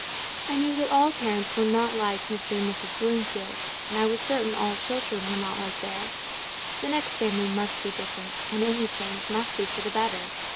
I knew that all parents were not like Mr. and Mrs. Bloomfield, and I was certain all children were not like theirs. The next family must be different, and any change must be for the better.